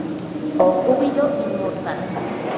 Oh Júbilo inmortal!